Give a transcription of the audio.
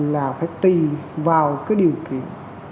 là phải tùy vào cái điều kiện